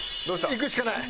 いくしかない。